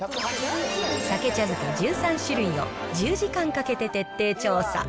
さけ茶漬１３種類を１０時間かけて徹底調査。